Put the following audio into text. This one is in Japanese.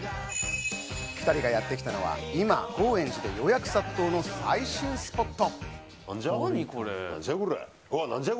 ２人がやってきたのは今、高円寺で予約殺到の最新スポット。